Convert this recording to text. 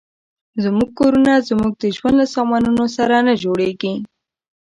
زموږ کورونه زموږ د ژوند له سامانونو سره نه جوړېږي.